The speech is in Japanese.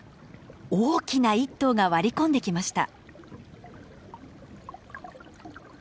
大きな１頭が割り込んできました。